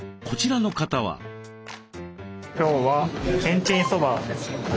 今日はけんちんそばです。